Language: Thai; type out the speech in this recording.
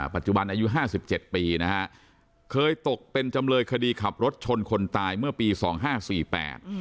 ปัจจุบันอายุห้าสิบเจ็ดปีนะฮะเคยตกเป็นจำเลยคดีขับรถชนคนตายเมื่อปีสองห้าสี่แปด